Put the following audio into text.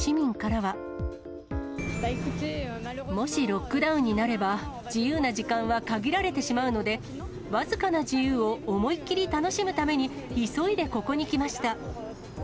もしロックダウンになれば、自由な時間は限られてしまうので、僅かな自由を思いっ切り楽しむために、急いでここに来ました。